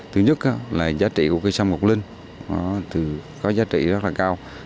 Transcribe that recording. thứ nhất là giá trị của cây sâm ngọc linh có giá trị rất là cao